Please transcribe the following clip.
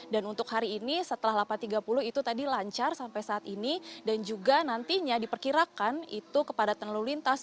dan untuk hari ini setelah delapan tiga puluh itu tadi lancar sampai saat ini dan juga nantinya diperkirakan itu kepadatan lalu lintas